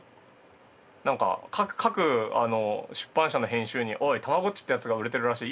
何か各出版社の編集に「おい『たまごっち』ってやつが売れてるらしい。